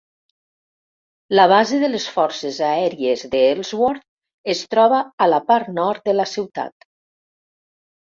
La Base de les Forces Aèries d'Ellsworth es troba a la part nord de la ciutat.